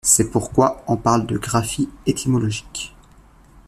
C'est pourquoi on parle de graphie étymologique.